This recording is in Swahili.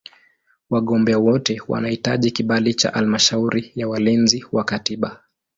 Wagombea wote wanahitaji kibali cha Halmashauri ya Walinzi wa Katiba.